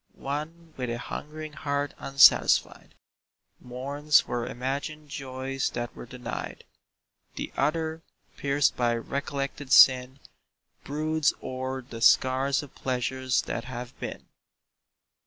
One, with a hungering heart unsatisfied, Mourns for imagined joys that were denied. The other, pierced by recollected sin, Broods o'er the scars of pleasures that have been.